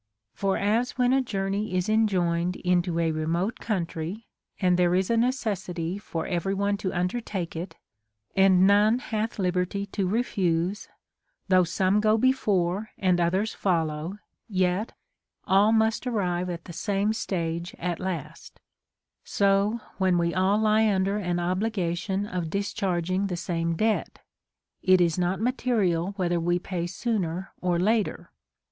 For as when a journey is enjoined into a remote country, and there is a necessity for exevy one to imdertake it, and none hath liberty to refuse, though some 20 befofe and others follow, yet all must arrive at the same stage at last ; so when we all lie under an obligation of discharging the same debt, it is not material whether Ave pay sooner or later.